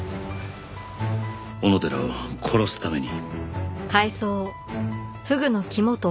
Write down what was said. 小野寺を殺すために。